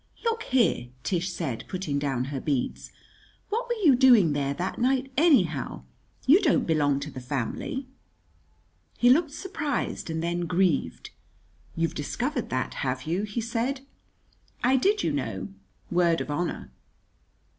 "Look here," Tish said, putting down her beads; "what were you doing there that night anyhow? You don't belong to the family." He looked surprised and then grieved. "You've discovered that, have you?" he said. "I did, you know word of honor!